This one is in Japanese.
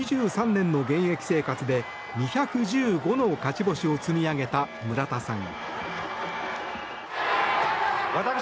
２３年の現役生活で２１５の勝ち星を積み上げた村田さん。